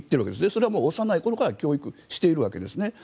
それは幼い頃から教育しているわけです。